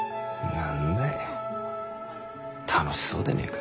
何だい楽しそうでねぇか。